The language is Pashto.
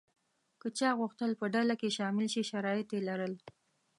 که چا غوښتل په ډله کې شامل شي شرایط یې لرل.